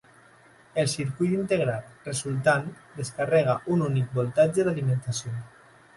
El circuit integrat resultant descarrega un únic voltatge d'alimentació.